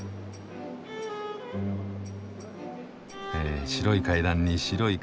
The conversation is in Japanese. え白い階段に白い壁。